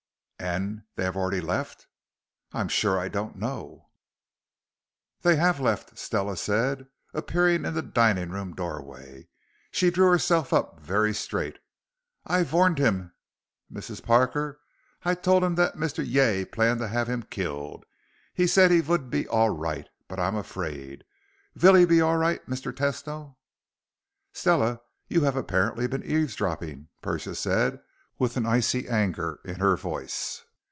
"And they have already left?" "I'm sure I don't know." "They have left," Stella said, appearing in the dining room doorway. She drew herself up very straight. "I varned him, Mrs. Parker. I told him that Mr. Yay planned to have him killed. He said he vould be all right, but I am afraid. Vill he be all right, Mr. Tesno?" "Stella, you have apparently been eavesdropping!" Persia said with an icy anger in her voice.